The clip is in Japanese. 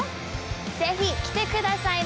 ぜひ、来てくださいね。